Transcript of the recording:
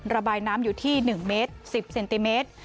ระบายน้ำอยู่ที่๑เมตร๑๐เซนติเมตร